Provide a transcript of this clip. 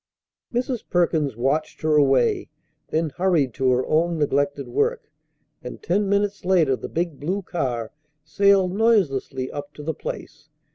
Mrs. Perkins watched her away, then hurried to her own neglected work; and ten minutes later the big blue car sailed noiselessly up to the place.